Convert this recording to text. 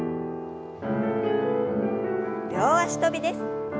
両脚跳びです。